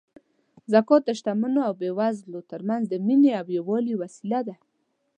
زکات د شتمنو او بېوزلو ترمنځ د مینې او یووالي وسیله ده.